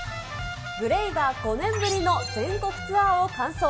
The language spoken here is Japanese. ＧＬＡＹは５年ぶりの全国ツアーを完走。